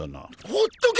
ほっとけ！